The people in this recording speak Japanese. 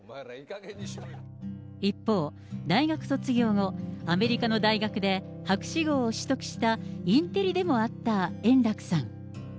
一方、大学卒業後、アメリカの大学で博士号を取得した、インテリでもあった円楽さん。